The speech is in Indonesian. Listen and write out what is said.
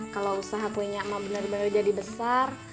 kalau usaha kuenya emak bener bener jadi besar